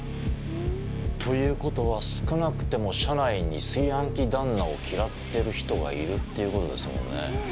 ということは少なくても社内に炊飯器旦那を嫌ってる人がいるっていうことですもんね。